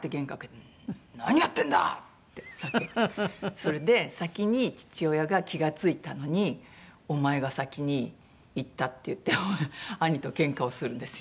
それで先に父親が気が付いたのにお前が先に行ったって言って兄とケンカをするんですよ。